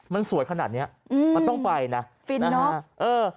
มันสวยขนาดเนี้ยอืมมันต้องไปนะฟินเนอะเออ